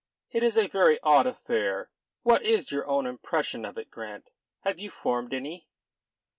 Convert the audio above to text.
It is a very odd affair. What is your own impression of it, Grant? Have you formed any?"